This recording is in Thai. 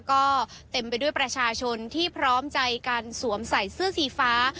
ก็เต็มไปด้วยประชาชนที่พร้อมใจการสวมใส่เสื้อสีฟ้า